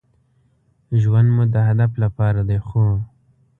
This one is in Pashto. ژوند مو د هدف لپاره دی ،خو